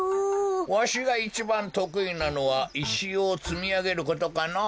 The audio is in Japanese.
わしがいちばんとくいなのはいしをつみあげることかのぉ。